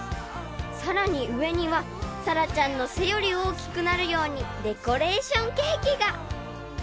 ［さらに上には咲愛ちゃんの背より大きくなるようにデコレーションケーキが］